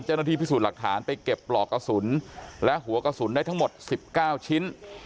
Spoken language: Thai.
เจ้าหน้าที่พิสูจน์หลักฐานไปเก็บปลอกกระสุนและหัวกระสุนได้ทั้งหมด๑๙ชิ้น